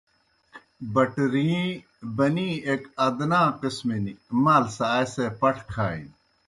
بٹرِیں بَنِی ایْک ادنی قِسمِن۔ مال سہ آئے سے پٹھہ کھانیْ۔